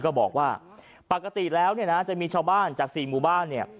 ก็บอกว่าปกติแล้วจะมีชาวบ้านจาก๔มุมบ้านเนี่ย